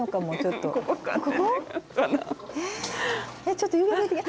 ちょっと湯気出てきた。